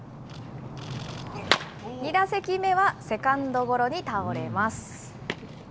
２打席目はセカンドゴロに倒れます。